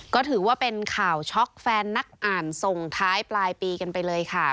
ก็ถือว่าเป็นข่าวช็อกแฟนนักอ่านส่งท้ายปลายปีกันไปเลยค่ะ